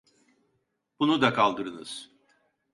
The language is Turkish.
Bunu da kaldırınız.